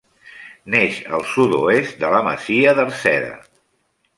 Neix al sud-oest de la masia d'Arceda.